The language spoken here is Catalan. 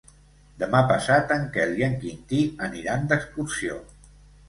Demà passat en Quel i en Quintí aniran d'excursió.